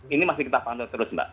ini masih kita pantau terus mbak